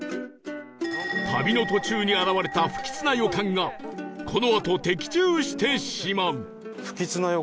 旅の途中に現れた不吉な予感がこのあと的中してしまう